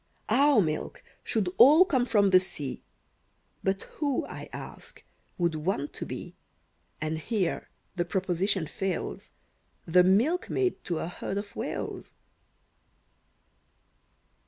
Our milk should all come from the sea, But who, I ask, would want to be, And here the proposition fails, The milkmaid to a herd of Whales?